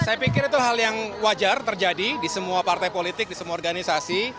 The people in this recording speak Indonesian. saya pikir itu hal yang wajar terjadi di semua partai politik di semua organisasi